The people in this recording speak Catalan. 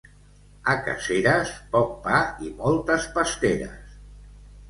A Caseres, poc pa i moltes pasteres.